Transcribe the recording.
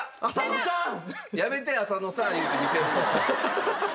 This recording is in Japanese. やめて「浅野さん！」言うて見せるの。